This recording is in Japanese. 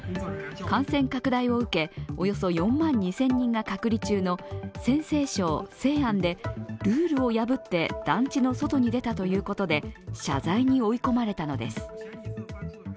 感染拡大を受け、およそ４万２０００人が隔離中の陝西省・西安でルールを破って団地の外に出たということで謝罪に追い込まれたのです。